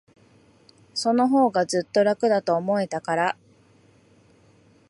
そのほうが、ずっと楽だと思えたから。